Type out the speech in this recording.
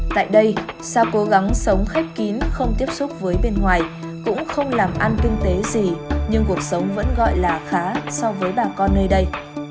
tại đây sao cố gắng sống khép kín không tiếp xúc với bên ngoài cũng không làm ăn kinh tế gì nhưng cuộc sống vẫn gọi là khá so với bà con nơi đây